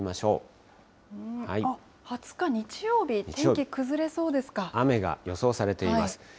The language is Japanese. ２０日日曜日、天気崩れそう雨が予想されています。